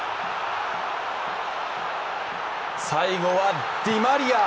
最後は、ディ・マリア。